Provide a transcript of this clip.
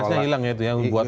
gelasnya hilang ya itu ya